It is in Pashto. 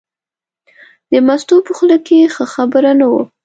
د مستو په خوله کې ښه خبره نه وه.